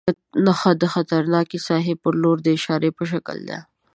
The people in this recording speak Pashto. نښه د خطرناکې ساحې پر لور د اشارې په شکل ده.